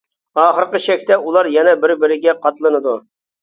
ئاخىرقى چەكتە ئۇلار يەنە بىر-بىرىگە قاتلىنىدۇ.